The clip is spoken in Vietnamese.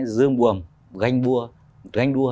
dương buồm ganh đua